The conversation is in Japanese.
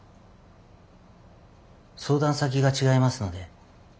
相談先が違いますので。